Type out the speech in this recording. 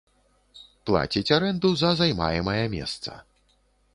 Плаціць арэнду за займаемае месца.